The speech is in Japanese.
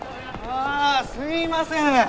ああすいません。